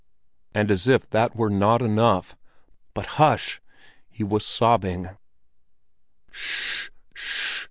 And as if that were not enough—but hush! He was sobbing. "Sh—sh! Sh—sh!"